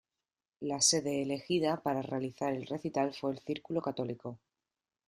La sede elegida para realizar el recital fue el Círculo Católico.